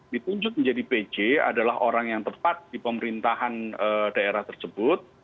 ditunjuk menjadi pj adalah orang yang tepat di pemerintahan daerah tersebut